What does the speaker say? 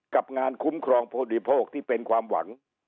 กับงานคุ้มครองผู้บริโภคที่เป็นความหวัง